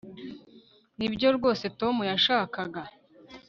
nibyo rwose tom yashakaga